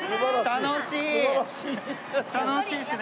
楽しいですね。